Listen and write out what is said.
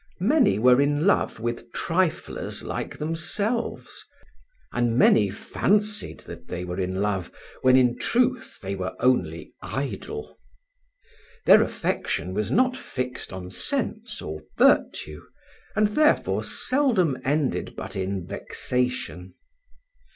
Many were in love with triflers like themselves, and many fancied that they were in love when in truth they were only idle. Their affection was not fixed on sense or virtue, and therefore seldom ended but in vexation.